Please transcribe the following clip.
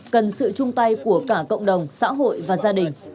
cần sự chung tay của cả cộng đồng xã hội và gia đình